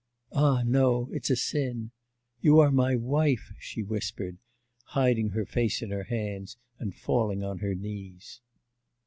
Ah, no! it's a sin. You are my wife,' she whispered, hiding her face in her hands and falling on her knees.